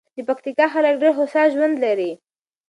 د پکتیکا خلک ډېر هوسا ژوند لري.